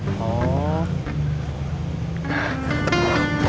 nah ini dia